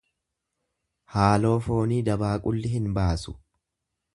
Haaloo foonii dabaaqulli hin baasu.